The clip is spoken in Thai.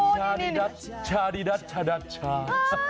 ชาดีดัชาดีดัชาดัชา